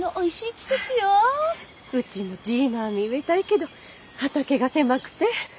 うちもジーマミー植えたいけど畑が狭くて。